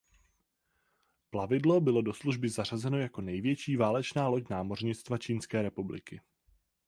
Plavidlo bylo do služby zařazeno jako největší válečná loď námořnictva Čínské republiky.